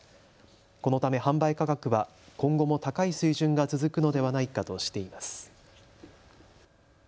このため販売価格は今後も高い水準が続くのではないかとしています。